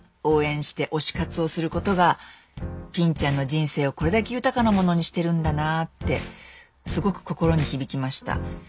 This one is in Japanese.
応援して推し活をすることがぴんちゃんの人生をこれだけ豊かなものにしてるんだなぁってすごく心に響きました。